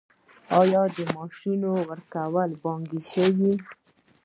آیا د معاشونو ورکړه بانکي شوې؟